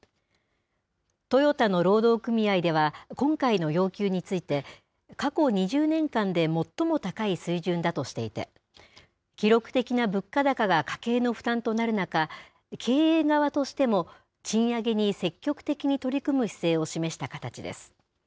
トヨタの労働組合では今回の要求について、過去２０年間で最も高い水準だとしていて、記録的な物価高が家計の負担となる中、経営側としても、賃上げに積極的に取り組む姿勢を示した形です。